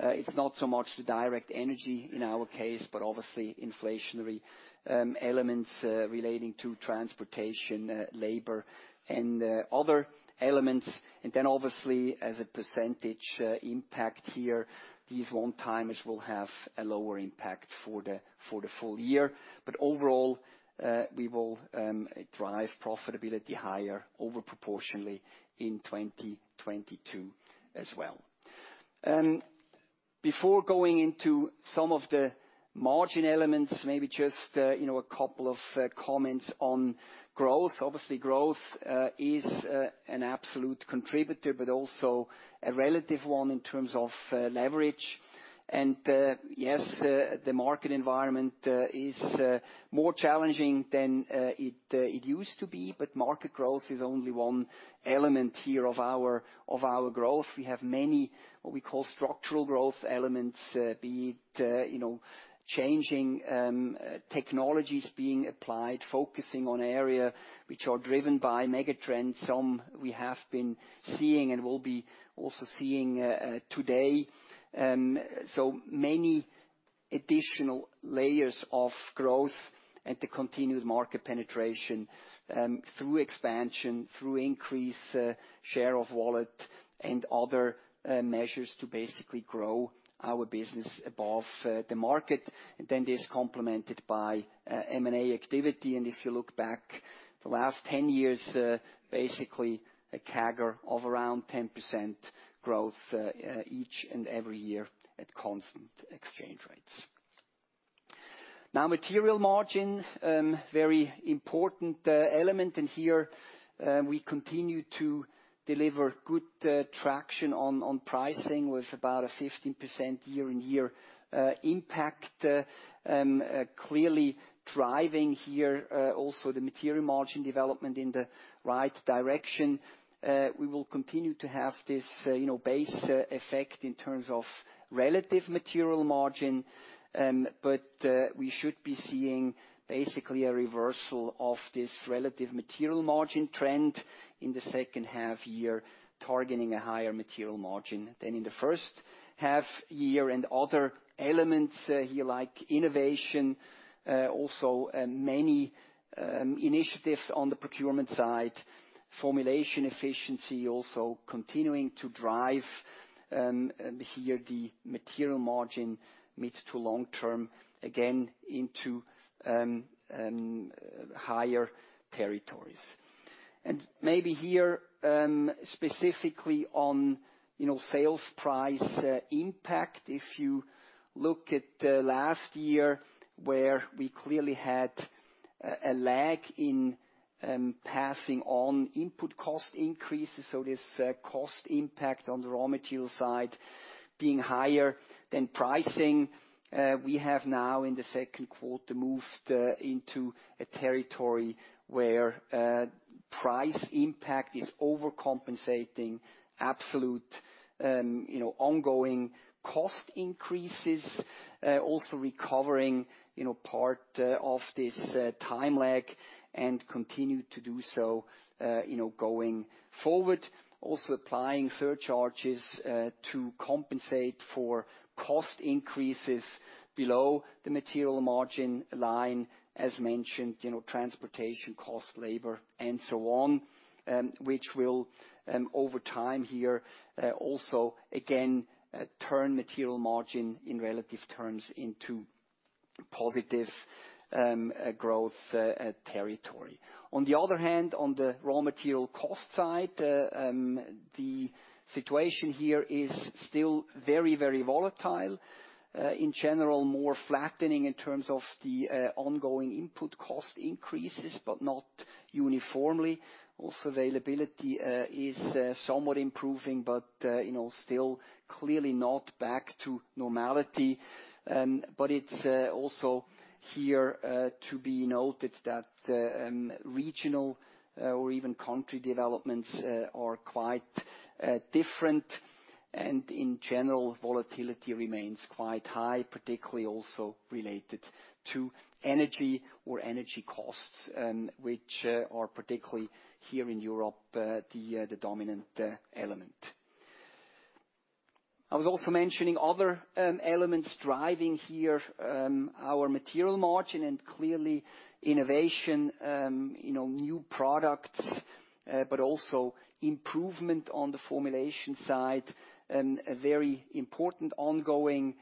It's not so much the direct energy in our case, but obviously inflationary elements relating to transportation, labor and other elements. Obviously, as a percentage impact here, these one-timers will have a lower impact for the full year. Overall, we will drive profitability higher overproportionally in 2022 as well. Before going into some of the margin elements, maybe just you know a couple of comments on growth. Obviously, growth is an absolute contributor, but also a relative one in terms of leverage. Yes, the market environment is more challenging than it used to be, but market growth is only one element here of our growth. We have many what we call structural growth elements, be it you know, changing technologies being applied, focusing on area which are driven by mega trends. Some we have been seeing and will be also seeing today. Many additional layers of growth and the continued market penetration through expansion, through increased share of wallet and other measures to basically grow our business above the market. Then this complemented by M&A activity. If you look back the last 10 years, basically a CAGR of around 10% growth each and every year at constant exchange rates. Now material margin, very important element. Here, we continue to deliver good traction on pricing with about a 15% year-on-year impact, clearly driving also the material margin development in the right direction. We will continue to have this, you know, base effect in terms of relative material margin. We should be seeing basically a reversal of this relative material margin trend in the second half year, targeting a higher material margin than in the first half year. Other elements here like innovation, also many initiatives on the procurement side, formulation efficiency also continuing to drive here the material margin mid to long term, again into higher territories. Maybe here specifically on, you know, sales price impact. If you look at last year, where we clearly had a lag in passing on input cost increases, so this cost impact on the raw material side being higher than pricing. We have now, in the second quarter, moved into a territory where price impact is overcompensating absolute, you know, ongoing cost increases, also recovering, you know, part of this time lag, and continue to do so, you know, going forward. Also applying surcharges to compensate for cost increases below the material margin line. As mentioned, you know, transportation costs, labor, and so on, which will, over time here, also again, turn material margin in relative terms into positive growth territory. On the other hand, on the raw material cost side, the situation here is still very, very volatile. In general, more flattening in terms of the ongoing input cost increases, but not uniformly. Also, availability is somewhat improving, but, you know, still clearly not back to normality. But it's also here to be noted that regional or even country developments are quite different, and in general, volatility remains quite high, particularly also related to energy or energy costs, which are particularly here in Europe, the dominant element. I was also mentioning other elements driving here our material margin, and clearly innovation, you know, new products, but also improvement on the formulation side, a very important ongoing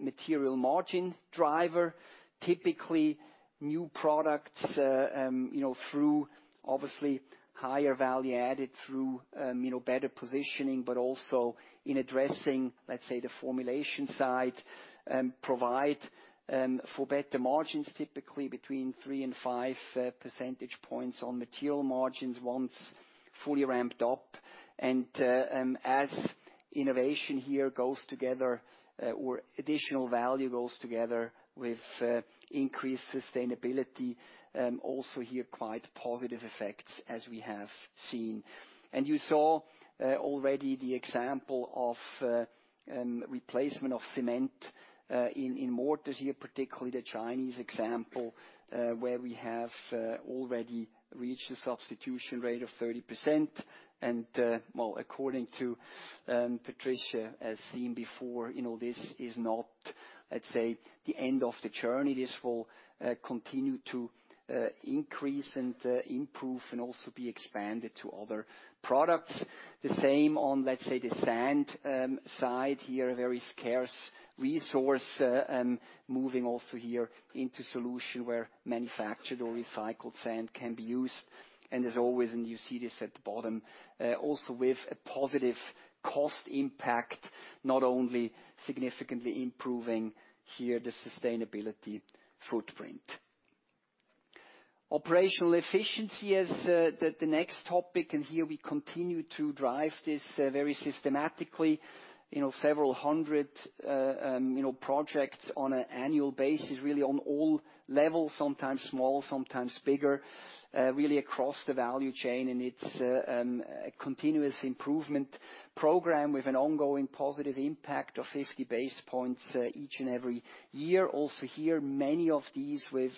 material margin driver. Typically, new products, you know, through obviously higher value added through you know better positioning, but also in addressing, let's say, the formulation side, provide for better margins, typically between 3 and 5 percentage points on material margins once fully ramped up. As innovation here goes together or additional value goes together with increased sustainability, also here quite positive effects as we have seen. You saw already the example of replacement of cement in mortars here, particularly the Chinese example, where we have already reached a substitution rate of 30%. Well, according to Patricia, as seen before, you know, this is not, I'd say, the end of the journey. This will continue to increase and improve and also be expanded to other products. The same on, let's say, the sand side here, a very scarce resource, moving also here into solution where manufactured or recycled sand can be used. As always, and you see this at the bottom, also with a positive cost impact, not only significantly improving here the sustainability footprint. Operational efficiency is the next topic, and here we continue to drive this very systematically. You know, several hundred projects on an annual basis, really on all levels, sometimes small, sometimes bigger, really across the value chain. It's a continuous improvement program with an ongoing positive impact of 50 basis points each and every year. Here, many of these with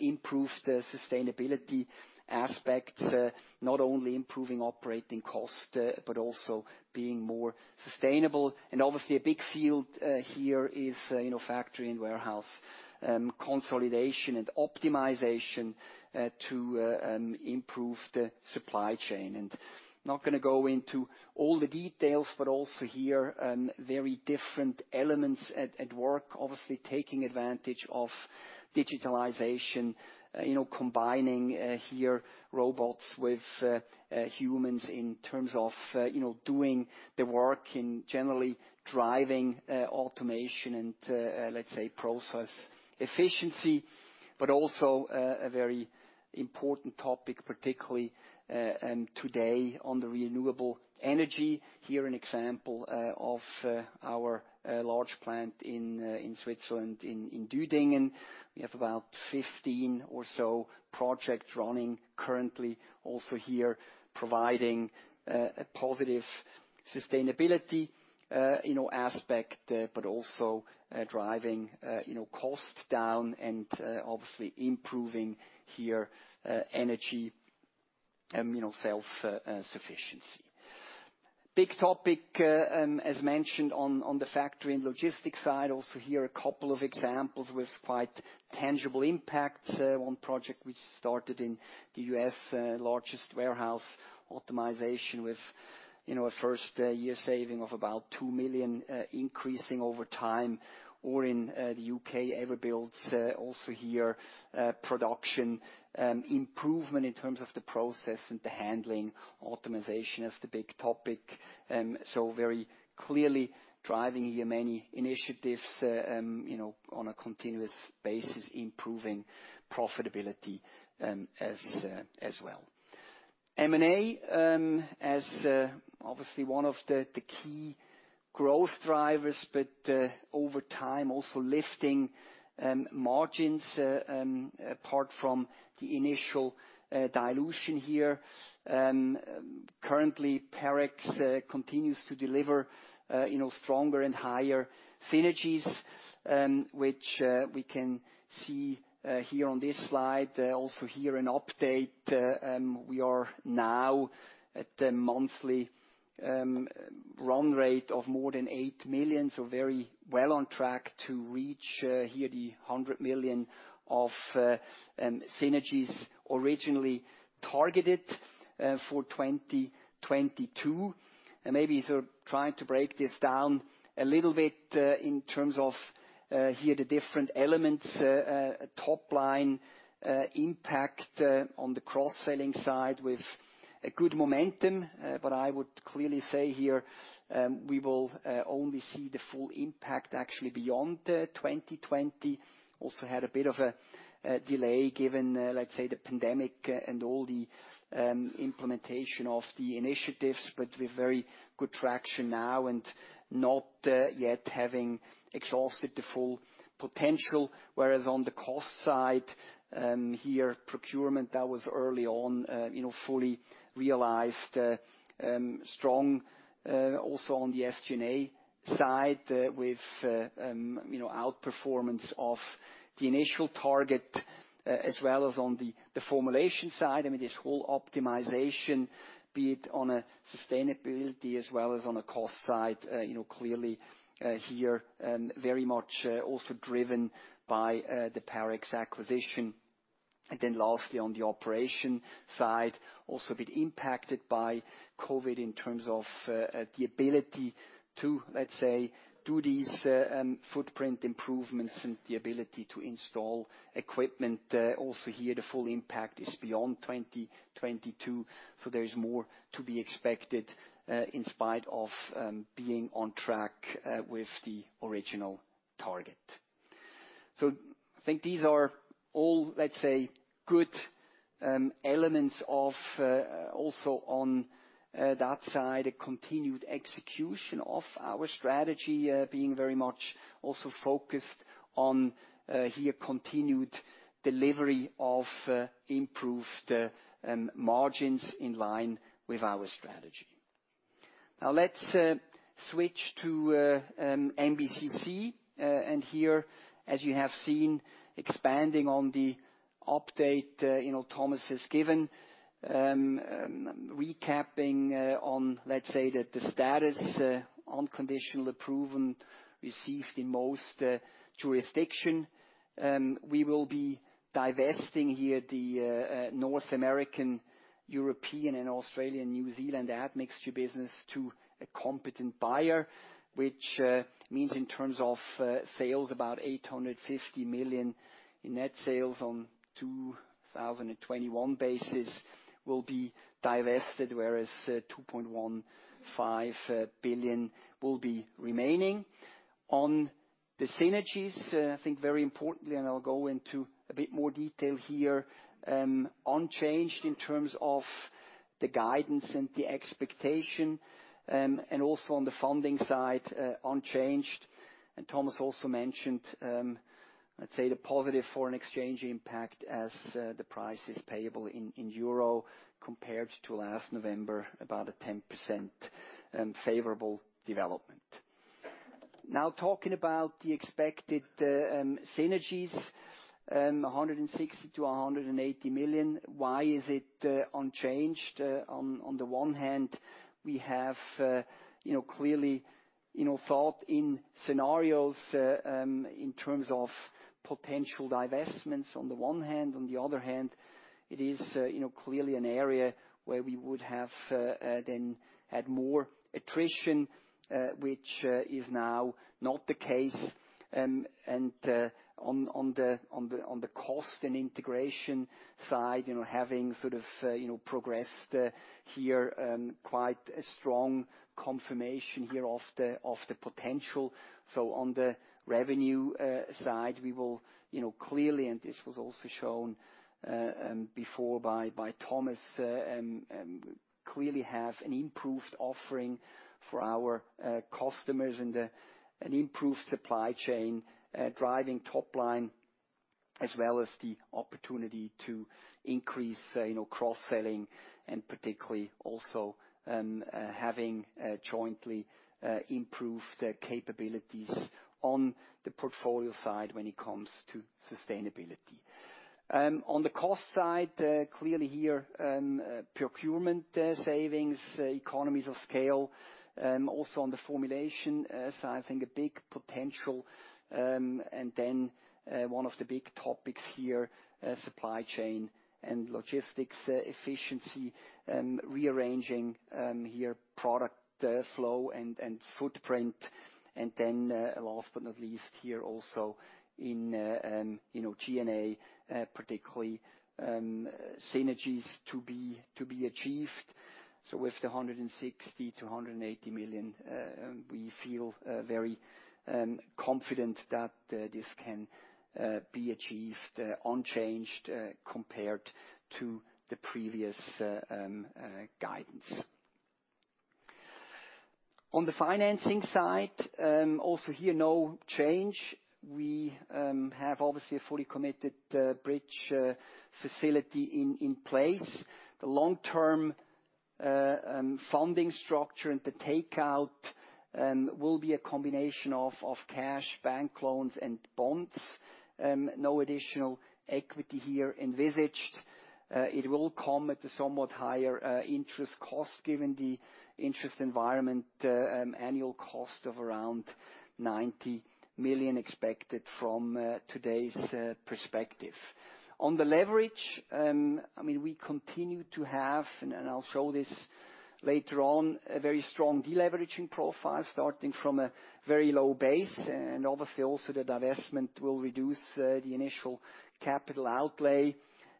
improved sustainability aspects not only improving operating costs but also being more sustainable. Obviously a big field here is you know factory and warehouse consolidation and optimization to improve the supply chain. Not gonna go into all the details, but also here very different elements at work, obviously taking advantage of digitalization, you know, combining here robots with humans in terms of you know doing the work and generally driving automation and let's say process efficiency. Also a very important topic, particularly today on the renewable energy. Here's an example of our large plant in Switzerland, in Düdingen. We have about 15 or so projects running currently, also here providing a positive sustainability you know aspect, but also driving you know costs down and obviously improving here energy you know self-sufficiency. Big topic as mentioned on the factory and logistics side, also here a couple of examples with quite tangible impacts. One project which started in the U.S., largest warehouse optimization with you know a first year saving of about 2 million, increasing over time. Or in the U.K., Everbuild's also here production improvement in terms of the process and the handling optimization as the big topic. Very clearly driving here many initiatives, you know, on a continuous basis, improving profitability, as well. M&A, as obviously one of the key growth drivers, but over time also lifting margins, apart from the initial dilution here. Currently, Parex continues to deliver, you know, stronger and higher synergies, which we can see here on this slide. Also here an update, we are now at a monthly run rate of more than 8 million, very well on track to reach here the 100 million of synergies originally targeted for 2022. Maybe sort of trying to break this down a little bit, in terms of here the different elements, top line impact on the cross-selling side with a good momentum. I would clearly say here, we will only see the full impact actually beyond 2020. Also had a bit of a delay given, let's say, the pandemic and all the implementation of the initiatives, but with very good traction now and not yet having exhausted the full potential. Whereas on the cost side, here procurement, that was early on, you know, fully realized, strong, also on the SG&A side with, you know, outperformance of the initial target, as well as on the formulation side. I mean, this whole optimization, be it on a sustainability as well as on a cost side, you know, clearly, here, very much, also driven by the Parex acquisition. Lastly, on the operation side, also a bit impacted by COVID in terms of the ability to, let's say, do these footprint improvements and the ability to install equipment. Also here, the full impact is beyond 2022, so there is more to be expected, in spite of being on track with the original target. I think these are all, let's say, good elements of also on that side, a continued execution of our strategy, being very much also focused on here continued delivery of improved margins in line with our strategy. Now let's switch to MBCC. Here, as you have seen, expanding on the update, you know, Thomas has given. Recapping on, let's say, the status, unconditional approval received in most jurisdictions. We will be divesting the North American, European and Australian, New Zealand admixture business to a competent buyer, which means in terms of sales, about 850 million in net sales on 2021 basis will be divested, whereas 2.15 billion will be remaining. On the synergies, I think very importantly, and I'll go into a bit more detail here, unchanged in terms of the guidance and the expectation, and also on the funding side, unchanged. Thomas also mentioned, let's say, the positive foreign exchange impact as the price is payable in euro compared to last November, about 10% favorable development. Now talking about the expected synergies, 160 million-180 million, why is it unchanged? On the one hand, we have clearly, you know, thought through scenarios in terms of potential divestments on the one hand. On the other hand, it is clearly an area where we would have then had more attrition, which is now not the case. On the cost and integration side, you know, having sort of progressed here, quite a strong confirmation of the potential. On the revenue side, we will, you know, clearly, and this was also shown before by Thomas, clearly have an improved offering for our customers and an improved supply chain driving top line, as well as the opportunity to increase, you know, cross-selling and particularly also having jointly improved capabilities on the portfolio side when it comes to sustainability. On the cost side, clearly here, procurement savings, economies of scale, also on the formulation side, I think a big potential. One of the big topics here, supply chain and logistics efficiency, rearranging here product flow and footprint. Last but not least, here also in, you know, G&A, particularly, synergies to be achieved. With the 160 million-180 million, we feel very confident that this can be achieved, unchanged compared to the previous guidance. On the financing side, also here, no change. We have obviously a fully committed bridge facility in place. The long-term funding structure and the takeout will be a combination of cash, bank loans, and bonds. No additional equity here envisaged. It will come at a somewhat higher interest cost given the interest environment, annual cost of around 90 million expected from today's perspective. On the leverage, we continue to have, and I'll show this later on, a very strong deleveraging profile starting from a very low base. Obviously also the divestment will reduce the initial capital outlay.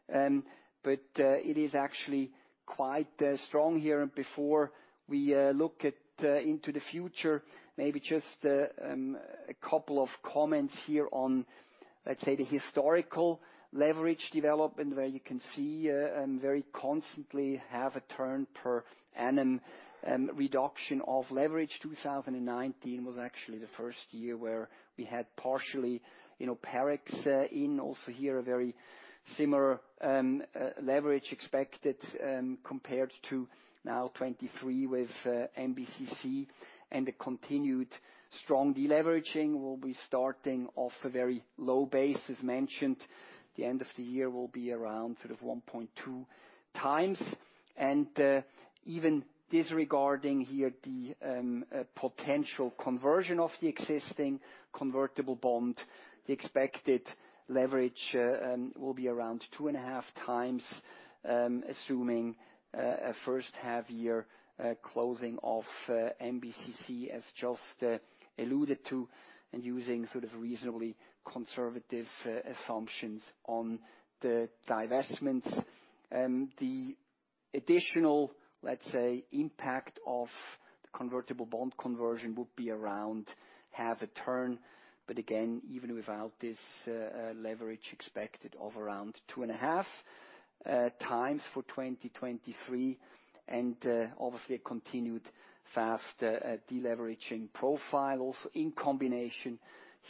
It is actually quite strong here. Before we look into the future, maybe just a couple of comments here on, let's say, the historical leverage development where you can see and very constantly have a turn per annum reduction of leverage. 2019 was actually the first year where we had partially, you know, Parex in also here a very similar leverage expected compared to now 2023 with MBCC. The continued strong deleveraging will be starting off a very low base, as mentioned. The end of the year will be around sort of 1.2 times. Even disregarding here the potential conversion of the existing convertible bond, the expected leverage will be around 2.5 times, assuming a first half year closing of MBCC as just alluded to, and using sort of reasonably conservative assumptions on the divestments. The additional, let's say, impact of the convertible bond conversion would be around half a turn, but again, even without this, leverage expected of around 2.5 times for 2023. Obviously a continued fast deleveraging profile also in combination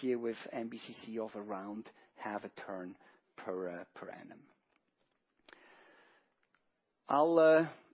here with MBCC of around half a turn per annum. I'll